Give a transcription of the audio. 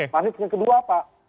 magnetnya kedua apa